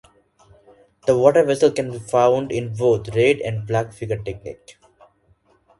This water vessel can be found in both red- and black-figure technique.